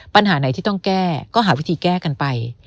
ปัญหาไหนที่ต้องแก้ก็หาวิธีแก้กันไป